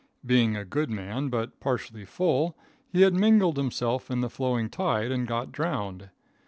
Being a good man, but partially full, he had mingled himself in the flowing tide and got drowned.